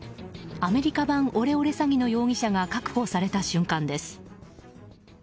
アメリカ版オレオレ詐欺の容疑者が確保された瞬間です。